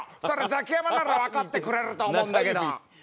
それザキヤマならわかってくれると思うんだけど。